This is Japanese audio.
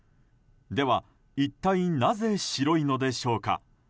では、一体なぜ白いのでしょうか？